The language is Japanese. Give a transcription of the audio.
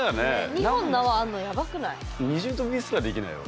２本縄あんのやばくない？